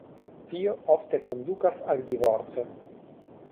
Tio ofte kondukas al divorco.